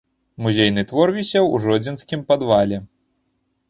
Музейны твор вісеў у жодзінскім падвале.